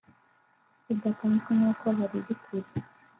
badakanzwe n’uko baruri kure”